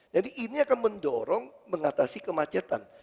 jadi ini akan mendorong mengatasi kemacetan